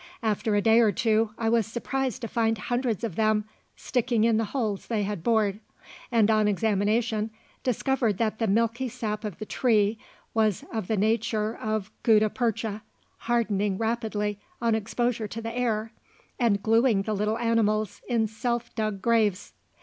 After a day or two I was surprised to find hundreds of them sticking in the holes they had bored, and on examination discovered that the milky sap of the tree was of the nature of gutta percha, hardening rapidly on exposure to the air, and glueing the little animals in self dug graves.